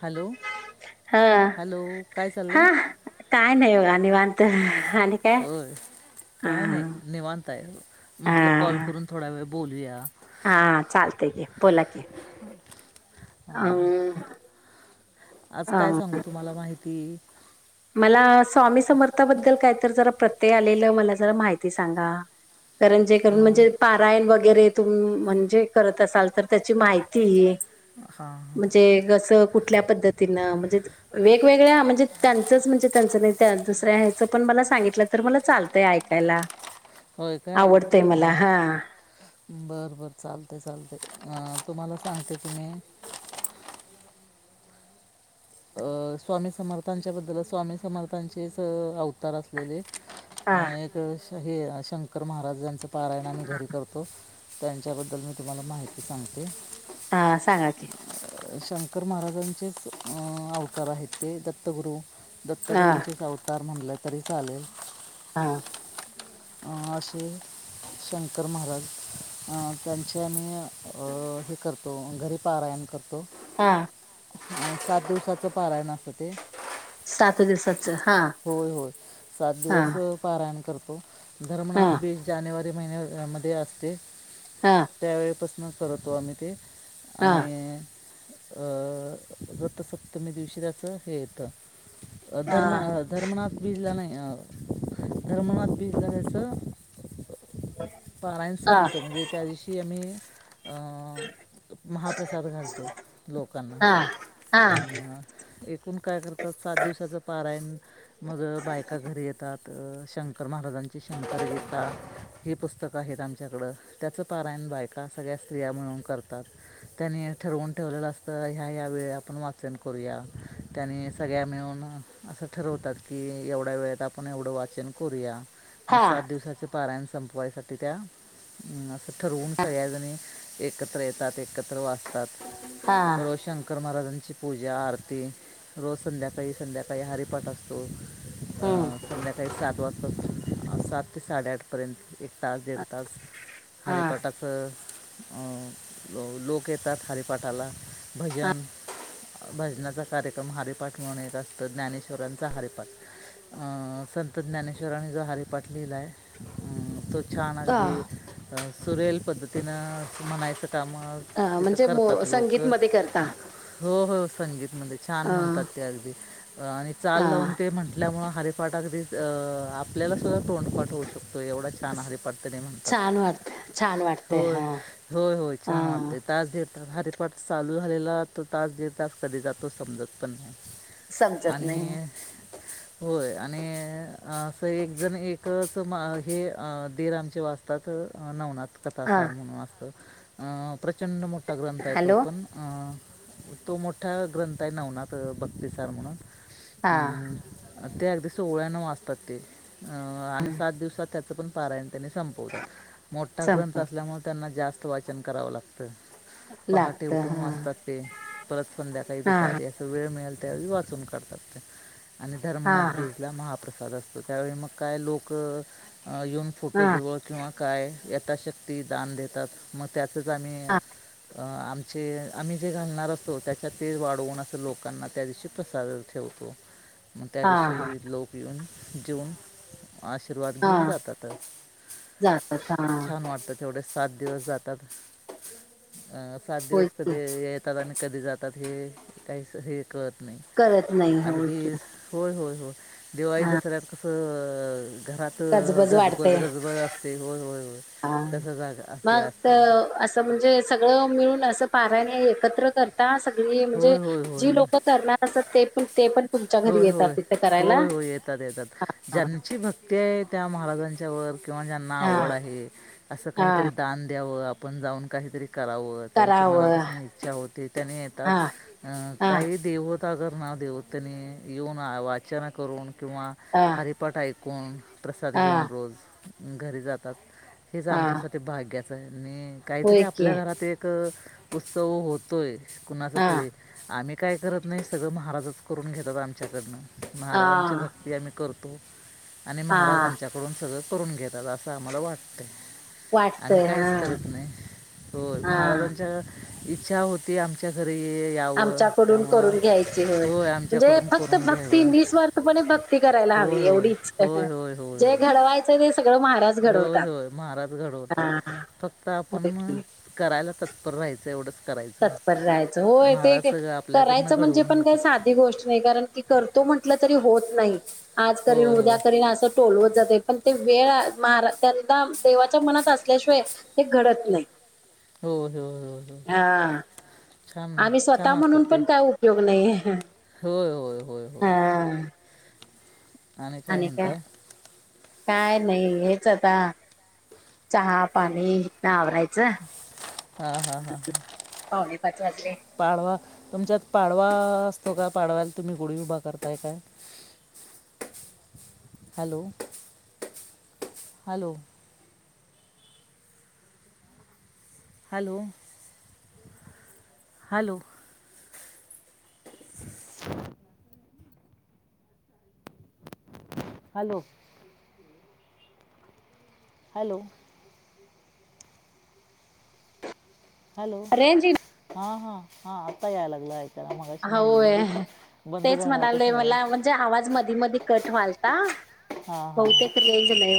Hello. हा hello काय चाललं हा आहे काय नाही होा निवांत. आणि काय होय हा काय नाही निवांताय म्हंटलं कॉल हा करून थोडा वेळ. बोलूया. हा चालतय की बोला क. हां ह. आज काय सांगू तुम्हाला माहिती. ज प्रत्य आ मला मा सांगाण जे म, म्हणज पाण व. वगैरे तुम् म्हणजे करत असाल तर त्याची माहिती ह. हां म्हणजे कसं कुठल्या पद्धतीनं म्हणजे वेगवेगळ्या म्हणजे. त्यांचंच म्हणजे त्यांचं नाही दुसर्या हचं पण मला सांगितलं तर मला चालतंय ऐकायला. होय काय आवडतंय अ मला हा बर बर चालते चालते अ. तुम्हाला सांगते तुम्ही. अ स्वामी समर्थांच्या बद्दल स्वामी समर्थांचेच अवतार असलेले. हा अ एक हे शंकर महाराज यांचे पारायणमही घरी करतो. त्यांच्याबद्दल मी तुम्हाला माहिती सांगते. हा सांगा क. शंकर महाराजांचेच अवतार आहेत ते दत्तगुरू. हा दत्तगुरूंचेच अवतार म्हणले तरी चालेल. हा. असे शंकर महाराज. अ त्यांचे आमी अ हे करतो घरी पारायण करतो. हा. सात दिवसाचं पारायण असं ते. सात दिवसाच हा होय, होय सात हा दिवस पारायण कर हा धर्मनाथ बीज जानेवारी, महिन्या मध्ये असते हा त्यावेळीपस न करतो आम्ही ते हा हा आणि अं रतसप्तमी दिवशी त्याच हे येत अ धर्म अ धर्मनाथ बिजला नाही, अ धर्मनाथ बीज चालायचं. पाारायण हा संपतो म्हणजे त्या दिवशी आम्ही अं महाप्रसाद घालतो लोकांना हा हा अ एकूण काय करतात सात दिवसाचं पारायण, मग बायका घरी येतात अ शंकर महाराजांची शंकर गीता ही पुस स्तक आहेत आमच्याकडं त्याचं पारायण बायका सगळ्या स्त्रिया म्हणून करतात, त्यानी ठरवून ठेवलेलं असत ह्या ह्या या वेळी आपण वाचन करूया त्यानी सगळ्या मिळून असं ठरव होतात की एवढ्या वेळेत, आपण एवढं वाचन करूया. मग सात हा दिवसाचे पारायण संपवायसाठी त्या असं ठरवून सगळ्याजणी एकत्र येतात एकत्र हा वाचतात रोज शंकर महाराज त्यांची पूजा आरती रोज संध्याकाळी, संध्याकाळी, हरिपाट असतो. अ हम्म संध्याकाळी सात वाजता अ सात ते साडेआठ पर्यंत तास दीड तास हा हरीपाटाचं अ लोक येतात हरिपाठा ला भजन भजनाचा कार्यक्रम हरिपाठ म्हणून एक असतं, ज्ञानेश्वरांचा हरिपाठ. अ संत ज्ञानेश्वराणी जो हरि पाठ लिहिलाय अ तो छान अगदी सुरेल पद्धतीनं म्हणायचं काम अ तिथं म्हणजे करतात लोक संगीत मध्ये करता हो हो संगीतमध्ये छान अ म्हणतात, ते अगदी आणि चाल हा लावून ते म्हंटल्यामुळ हरिपाट अगदी आपल्याला सुद्धा तोंडपाट होऊ शकतो एवढा छान हरि पाठ ते म्हणतात छान वाटत छान वाटते होय, हा होय, होय छान हा वाटते तास दीड तर हारिपाठ चालू झालेला, तो तास दीड तास कधी जातो समजत पण नाही समजत नाही. आणि होय आणि असं एक जण एकच मा हे अ दीर आमचे वाचतात नवनाथ हा कथासार म्हणून असत अ प्रचंड मोठा ग्रंथ आहे तो हॅलो पण अ तो मोठा ग्रंथय नवनात भक्तीसार म्हणून हा ऊ ते अगदी सोहळ्यानं वाचतात ते आणि सात दिवसात त्याचं पण पारायण त्यांनी संपवतात मोठा ग्रंथ संप असल्यामुळे, त्यांना जास्त वाचन करावं लागतं. पहाटे लागत उठून हा वाचतात ते. परत संध्याकाळी हा दुपारी अस वेळ मिळेल त्यावेळी वाचून करढतात ते. आणि धर्मनाथ हा बीजला महाप्रसाद असतो, त्यावेळी मग काय लोक अ येऊन हा फोटोजवळ किंवा काय यथाशक्ती दान देतात मग त्याचच आम्ही हा आमचे, आम्ही जे घालणार असतो, त्याच्यात ते वाढवून असं लोकांना त्या दिवशी प्रसाद ठेवू मग त्या हा हा दिवशी लोक येऊन जेऊन, आशीर्वाद घेऊन हा जातात. जातात हा. छान वाटतं तेवढे सात दिवस जातात, सात होय दिवस की कधी येतात, आणि कधी जातात, हे काहीच हे कळत नाही करत नाही हो की अगदी होय, होय. होय दिवाळी हा दसऱ्याल कसं घरात गजबज गजब बज, वाढते गजबज असते होय, होय. हा तसं जाग असते मग त असतं असं म्हणजे सगळं मिळून अस पारायण एकत्र करता, सगळी म्हणजे होय होय होय जी होय लोक करणार असत ते पण, ते पण. तुमच्या घरी होय, येतात होय, तिथं करायला होय, होय, येतात, येतात हा ज्यांची भक्ती आहे त्या महाराजांच्या वरं किंवा ज्यां ना हा आवड आहे, अस काहीतरी हा. दान द्याव, आपण जाऊन काहीतरी करावं त्यांची करावं मनापासून इच्छा होते, त्याने हा येतात हा काही देव सागर नाव देवतेनी येऊन वाचन करून किंवा हा हरिपाठ ऐक. कोण प्रसाद घेऊन हा रोज घरी जातात हेच हा आमच्यासाठी भाग्याचं आहे. आणि काहीतरी होय की आपल्या घरात एक उत्सव होतो आहे. कुणाचं हा तरी आम्ही काय करत नाही सगळं महाराजच करून घेतात आमच्याकडनं. महाराजांची हा भक्ती आम्ही करतो आणि हा महाराज आमच्याकडून सगळं करून घेतो. तर असं आम्हाला वाटतं. आम्ही वाटतय काहीच हा करत नाही होय हा महाराजांच्या इच्छा होती आमच्या घरी यावं आमच्याकडून त्यामुळं करून घ्यायची हो होय म्हणजे आमच्याकडून फक्त करून भक्ती घ्यावं निस्वार्थपणे भक्ती करायला होय हवी एवढी होय इच्छा होय होय होय ज होय घडवायचं दिस होय होय महाराज घडवतात हा फक्त आपण करायला पण रायचं एवढं तत्पर राहायचं होय ते आपल्याकडनं करायचं म्हणजे घडवून पण काही घेतात साधी गोष्ट नाही कारण की करतो म्ह होत नाही आज करेल होय उद्या होय करेल अस वेळ महा त्यांना देवाच्या मनात असल्याशिवाय ते घडत नाही. हो हो हो हो हा आम्ही स्वतः असतात म्हणून ते पण काय उपयोग नाहीे. होय होय होय होय आणि काय म्हणताय? काय नाही हेच आता चहा पाणी हितन आवरायचं. हा हा हा पावणे पाच वाजले. पाडवा तुमच्यात पाडवा असतो का पाडव्याला तुम्ही गुढी उभा करताय काय? Hello hello. Hello hello [inaudible] hello hello hello range in हा हा हा आता यायला लागलं ऐक हा होय तेच झाला होता म्हणाले मला सगळाच म्हणजे आवाज मधी मधी कट व्हलता. हां हां बहुतेक हां रेंज नाही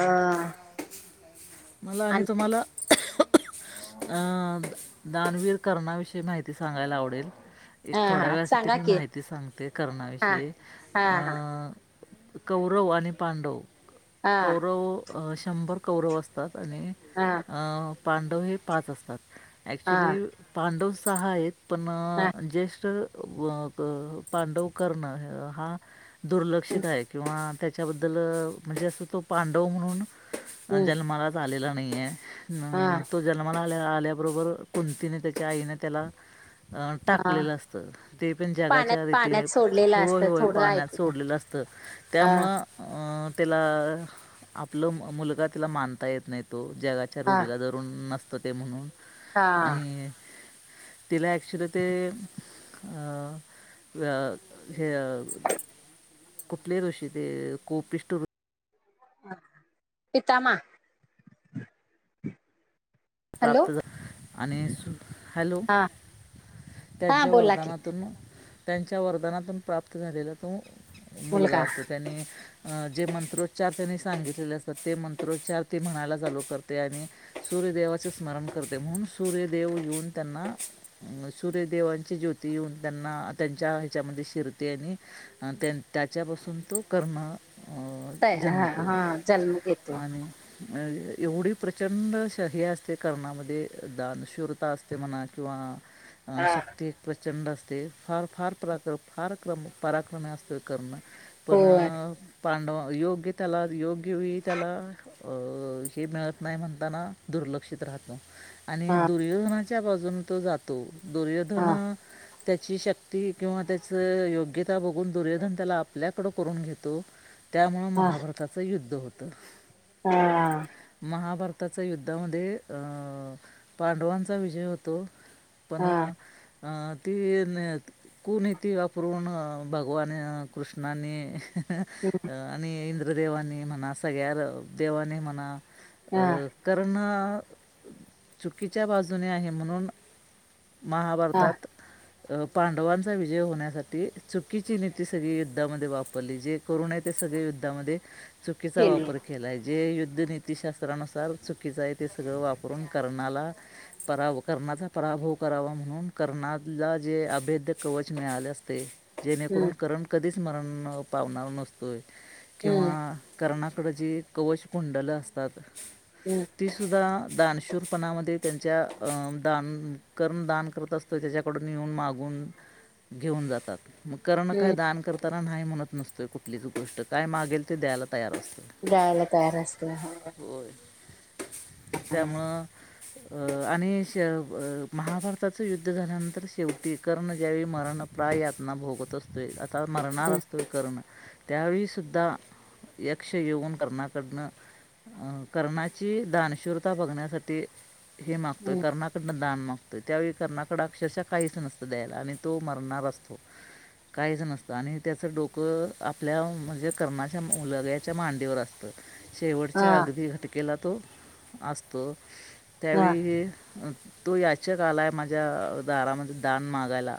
हां मला आणि तुम्हाला अं दानवीर कर्णा विषयी माहिती सांगायला आवडेल. एक हा थोड्या हा वेळासाठी सांगा मी की माहिती सांगते हा करणाविषयी हा हा अं कौरव आणि पांडव हा कौरव अ शंभर कौरव असतात आणि हा अ पांडव हे पाच असतात. हा ऍक्च्युली पांडव सहा आहेत पण हा जस्ट मग पांडव कर्ण हा दुर्लक्षित आहे किंवा त्या त्याच्याबद्दल म्हणजे असं तो पांडव म्हणून हम्म जन्मालाच आलेला नाही आहे. हा अं तो जन्माला आल्या आल्याबरोबर कुंतीने त्याच्या आईने त्याला अ हा टाकलेलं असतं ते पण पाण्यात जगाच्या भीतीने पाण्यात सोडलेलं होय असतं होय थोडं पाण्यात ऐकून सोडलेलं असतं. हा त्यामुळं अं त्याला आपलं मुलगा तिला मानता येत नाही तो जगाच्या हा रूढीला धरुन नस ते म्हणून हा आणि तिला ऍक्च्युली ते अ अ हे अ कुपले ऋषी ते कोपिस्ट ऋषी पितामा हॅलो प्राप्त झा आणि हॅलो हा हा त्यांच्या बोला की वरदनातून त्यांच्या वरदनातून प्राप्त झालेला तो मुलगा असतो त्यांनी अ जे मंत्रोच्चार त्यांनी सांगितलेले असतात ते मंत्रोच्चार ती म्हणायला चालू करते आणि सूर्यदेवा चे स्मरण करते म्हणून सूर्यदेव येऊन त्यांना सूर्यदेवांची ज्योती येऊन त्यां ना त्यांच्या ह्याच्यामध्ये शिरते आणि त्याच्यापासून तो कर्ण अं, तया हा जन्मतो हा जन्म घेतो. आणि अ एवढी प्रचंड श [unintelligible] असते ते कर्णामध्ये दानशूरता असते म्हणा किंवा हा शक्ती एक प्र चंड असते फार फार पराक्रम फार क्रम पराक्रमी असतो कर्ण. पण होय अ पांडव योग्य त्याला योग्य वेळी त्याला अ हे मिळत नाही म्हणताना दुर्ल लक्षित राहतो आणि हा दुर्योधनाच्या बाजून तो जातो हा दुर्योधन त्याची शक्ती किंवा त्याचं योग्यता बघून दुर्योधन त्याला आपल्याकडं करून घेतो [inaudible] त्यामुळ हा महाभारताचं युद्ध होतं. हा.. महाभारताच्या युद्धामध्ये अ पांडवांचा विजय होतो. पण हा अ ती न कुनीती वापरून भगवान कृष्णानी आणि इंद्रदेवांनी म्हणा सगळ्या देवांनी म्हणा अ हा कर्ण चुकीच्या बाजूने आहे म्हणून हा महाभारतात अ पांडवांचा विजय होण्यासाठी चुकीची नीती सगळी युद्धामध्ये वापरली जे करूनये ते सगळे युद्धामध्ये चुकीचा केली. वापर केलाय जे युद्ध नीतीशास्त्रानुसार चुकीचा आहे ते र वापरून कर्णाला पराभव कर्णाचा पराभव करावा म्हणून कर्णाला जे ते अभेद्य कवच मिळाले असते. जेणेकरून हम्म कर्ण कधीच मरण पावणार नसतोय हम्म किंवा कर्णा कड जे कवचकुंडल असतात. हम्म आं दानशूरपणामध्ये त्यांच्या अ दान कर्ण दान करत असतो त्याच्याकडून येऊन मागून घेऊन जातात. मग कर्ण काय हम्म दान करताना नाही म्हणत नसतोय कुठलीच गोष्ट काय मागेल ते द्यायला तयार असतो दयायला तयार असतोय. होय [inaudible] त्यामुळं अ आणि शे अं महाभारताचं युद्ध झाल्यानंतर शेवटी कर्ण ज्यावेळी मरण [unintelligible] यातना भोगत असतोय आता मरणार हम्म असतोय कर्ण. त्यावेळी सुद्धा यक्ष येऊन कर्णा कडनं अं कर्णा ची दानशुरता बघण्यासाठी हे मागतोय हम्म कर्णाकडन दान मागतो त्यावेळी कर्णाकडे अक्षरशः काहीच नसतं द्यायला आणि तो मरणार असतो काहीच नसतं आणि त्याचं डोकं आपल्या म्हणजे कर्णाच्या मुलग्याच्या मांडीवर असतं. हा शेवटच्या अगदी घटकेला तो असतो, हा त्यावेळी तो याचक आलाय माझ्या दारामध्ये दान मागायला.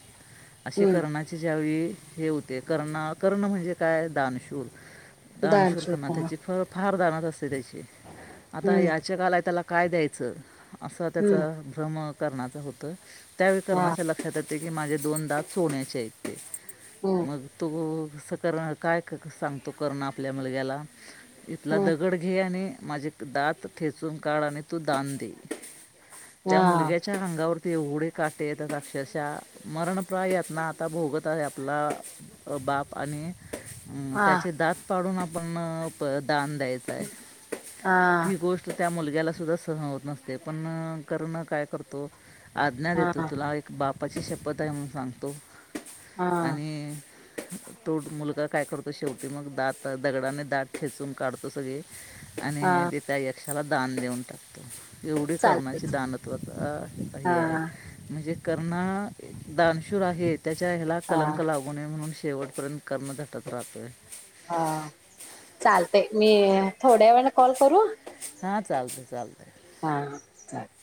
असे हम्म कर्णाचे ज्यावेळी हे होते कर्ण-कर्ण म्हणजे काय दानशूर दानशुर दानशूर पणा हा त्याची फ फार दानत असते त्याची आता हम्म याचक आलाय त्याला काय द्यायचं? असं हम्म त्याचा [inaudible] भ्रम करणाचं होतं त्यावेळी हा करणाच्या लक्षात ये के की माझे दोन दात सोन्याचे आहेत हम्म मग तो कसं करणं काय क-क सांगतो कर्ण आपल्या मुलग्याला इथला हम्म दगड घे आणि माझे दात ठेचून काढ आणि तू दान दे हा त्या मुलग्याच्या अंगावर केव्हढे काटे येतात अक्षशः मरणप्राय यातना आता भोगत आहे आपला बाप आणि [inaudible] [inaudible] अं हा त्याचे दात पाडून आपण प दान द्यायचंय. हा ही गोष्ट त्या मुलग्याला सुद्धा सहन होत नसते, पण करना काय करतो आज्ञा हा देतो तुला एक बापाची शपथ आहे म्हणून सांगतो हा आणि [inaudible] तो मुलगा काय करतो शेवटी? मग दात दगडाने दात खेचून काढतो सगळे आणि हा ते त्या यक्षाला दान देऊन टाकतो. एवढी कर्णाची चालतच दानत्वता अं हा हे हाय म्हणजे कर्ण दानशूर आहे. त्याच्या हेला हा कलंक लागू नये म्हणून शेवटपर्यंत कर्ण झटत राहतोय. हा चालतंय, मी थोड्या वेळान कॉल करू? हां चालतंय चालतंय. हा चालेल.